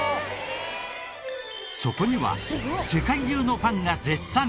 そこには世界中のファンが絶賛！